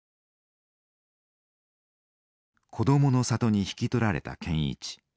「こどもの里」に引き取られた健一。